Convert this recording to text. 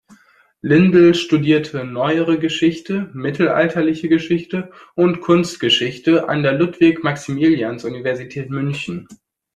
Lindl studierte Neuere Geschichte, Mittelalterliche Geschichte und Kunstgeschichte an der Ludwig-Maximilians-Universität München.